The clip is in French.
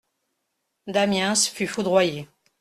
Damiens fut foudroyé.